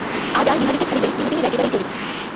আজ আর বিহারীকে ছাড়িলে বিনোদিনীর একেবারেই চলিবে না।